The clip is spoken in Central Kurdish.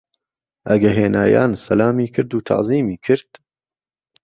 ئەگە هینایان سەلامی کرد و تەعزیمی کرد؟